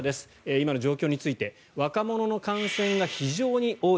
今の状況について若者の感染が非常に多い。